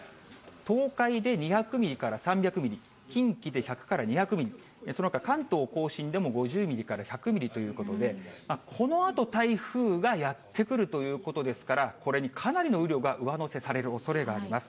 東海で２００ミリから３００ミリ、近畿で１００から２００ミリ、そのほか関東甲信でも５０ミリから１００ミリということで、このあと台風がやって来るということですから、これにかなりの雨量が上乗せされるおそれがあります。